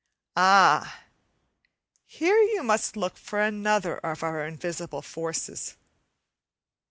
Ah! here you must look for another of our invisible forces.